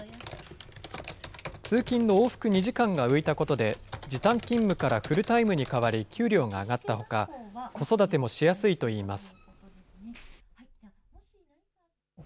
通勤の往復２時間が浮いたことで、時短勤務からフルタイムに変わり、給料が上がったほか、子育てもしやすいといいます。